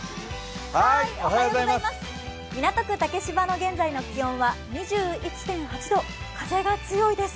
港区竹芝の現在の気温は２１．８度、風が強いです。